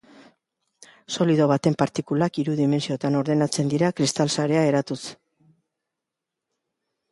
Solido baten partikulak hiru dimentsioetan ordenatzen dira kristal-sarea eratuz.